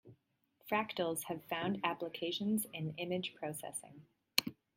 Fractals have found applications in image processing.